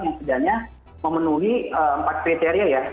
yang sebenarnya memenuhi empat kriteria ya